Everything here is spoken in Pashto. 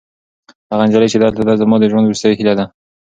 هغه نجلۍ چې دلته ده، زما د ژوند وروستۍ هیله ده.